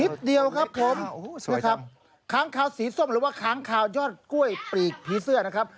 นิดเดียวครับผมขางขาวสีส้มหรือว่าขางขาวยอดกล้วยปลีกผีเสื้อนะครับ